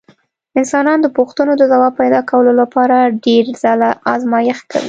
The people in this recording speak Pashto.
انسانان د پوښتنو د ځواب پیدا کولو لپاره ډېر ځله ازمېښت کوي.